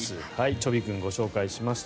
ちょび君、ご紹介しました。